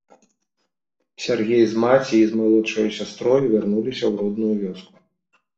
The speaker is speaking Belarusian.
Сяргей з маці і з малодшаю сястрою вярнуліся ў родную вёску.